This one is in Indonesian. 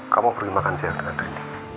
kamu pergi makan siang dengan randy